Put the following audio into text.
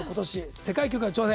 世界記録への挑戦。